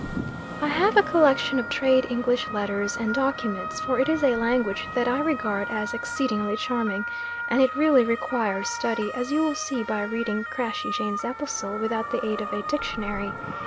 I have a collection of trade English letters and documents, for it is a language that I regard as exceedingly charming, and it really requires study, as you will see by reading Crashey Jane's epistle without the aid of a dictionary.